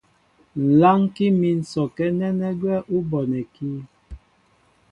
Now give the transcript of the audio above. Lánkí mín sɔkɛ́ nɛ́nɛ́ gwɛ́ ú bonɛkí.